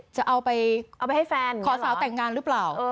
จะเอาไปให้แฟนขอสาวแต่งงานหรือเปล่า